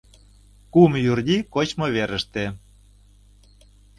«Кум Юрди» кочмо верыште.